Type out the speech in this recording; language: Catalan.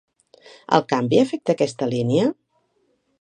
El canvi afecta a aquesta línia?